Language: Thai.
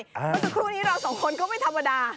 เมื่อสักครู่นี้เราสองคนก็ไม่ธรรมดา